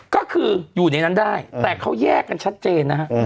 ก็คืออยู่ในนั้นได้แต่เขาแยกกันชัดเจนนะฮะ